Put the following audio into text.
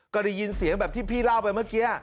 ก็ได้ยินเสียงแบบที่พี่เล่าไปเมื่อกี้